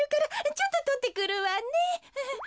ちょっととってくるわね。